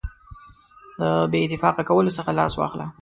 د بې اتفاقه کولو څخه لاس واخله.